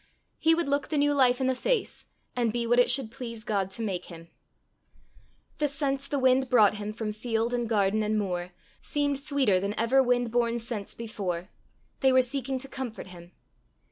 He would look the new life in the face, and be what it should please God to make him. The scents the wind brought him from field and garden and moor, seemed sweeter than ever wind borne scents before: they were seeking to comfort him!